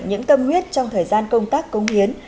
những tâm huyết trong thời gian công tác công hiến